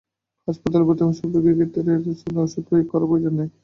হাসপাতালে ভর্তি হওয়া সব রোগীর ক্ষেত্রে রেমডেসেভির ওষুধ প্রয়োগ করার প্রয়োজন নেই।